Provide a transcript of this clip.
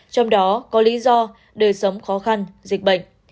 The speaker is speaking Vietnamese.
trong đó có lý do đời sống khó khăn dịch bệnh